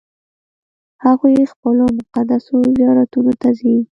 هغوی خپلو مقدسو زیارتونو ته ځي.